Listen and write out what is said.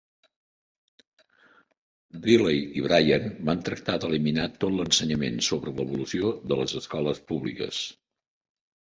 Riley i Bryan van tractar d'eliminar tot l'ensenyament sobre l'evolució de les escoles públiques.